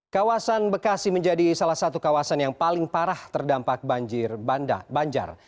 kawasan bekasi menjadi salah satu kawasan yang paling parah terdampak banjir